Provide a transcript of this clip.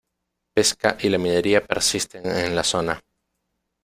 Pesca y la minería persisten en la zona.